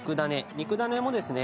肉ダネもですね